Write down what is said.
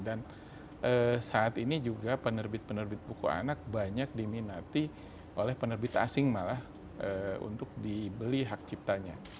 dan saat ini juga penerbit penerbit buku anak banyak diminati oleh penerbit asing malah untuk dibeli hak ciptanya